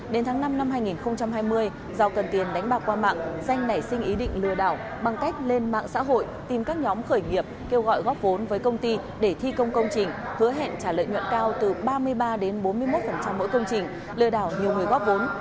đến tháng năm năm hai nghìn hai mươi do cần tiền đánh bạc qua mạng danh nảy sinh ý định lừa đảo bằng cách lên mạng xã hội tìm các nhóm khởi nghiệp kêu gọi góp vốn với công ty để thi công công trình hứa hẹn trả lợi nhuận cao từ ba mươi ba đến bốn mươi một mỗi công trình lừa đảo nhiều người góp vốn